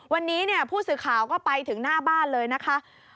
วันนี้เนี่ยผู้สื่อข่าวก็ไปถึงหน้าบ้านเลยนะคะ